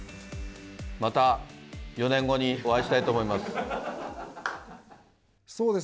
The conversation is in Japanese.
また４年後にお会いしたいと思います。